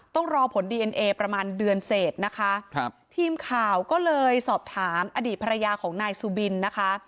ต้องรอผลดีเอ็นเอประมาณเดือนเศษนะคะครับทีมข่าวก็เลยสอบถามอดีตภรรยาของนายสุบินนะคะ